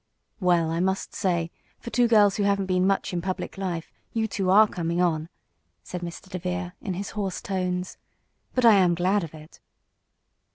"Well, I must say, for two girls who haven't been much in public life, you two are coming on," said Mr. DeVere, in his hoarse tones. "But I am glad of it!"